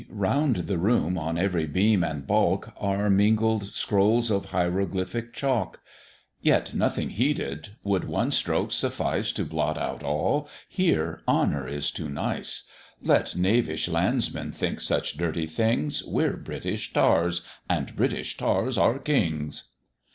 round the room, on every beam and balk, Are mingled scrolls of hieroglyphic chalk; Yet nothing heeded would one stroke suffice To blot out all, here honour is too nice, "Let knavish landsmen think such dirty things, We're British tars, and British tars are kings."